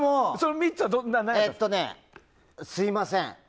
すみません。